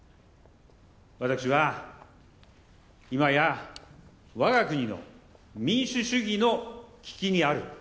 私は、いまや、わが国の民主主義の危機にある。